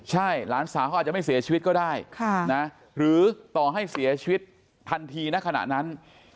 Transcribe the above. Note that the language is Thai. ใช่หลานสาวเขาอาจจะไม่เสียชีวิตก็ได้หรือต่อให้เสียชีวิตทันทีในขณะนั้น